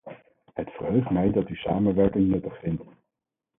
Het verheugt mij dat u samenwerking nuttig vindt.